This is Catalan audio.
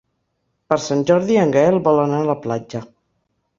Per Sant Jordi en Gaël vol anar a la platja.